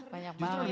banyak banget ya